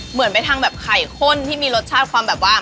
เหมือนไปทางแบบไข่ข้นที่มีรสชาติความแบบว่า